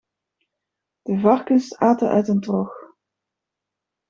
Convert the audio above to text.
De varkens aten uit een trog.